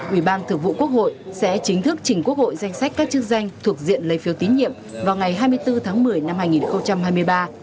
ủy ban thượng vụ quốc hội sẽ chính thức chỉnh quốc hội danh sách các chức danh thuộc diện lấy phiếu tín nhiệm vào ngày hai mươi bốn tháng một mươi năm hai nghìn hai mươi ba